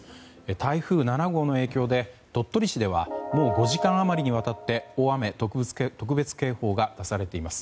台風７号の影響で、鳥取市ではもう５時間余りにわたって大雨特別警報が出されています。